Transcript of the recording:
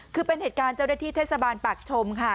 คือเป็นเหตุการณ์เจ้าหน้าที่เทศบาลปากชมค่ะ